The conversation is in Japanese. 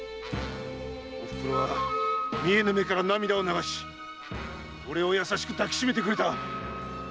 おふくろは見えぬ目から涙を流し俺を優しく抱きしめてくれた！